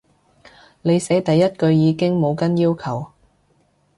你寫第一句已經冇跟要求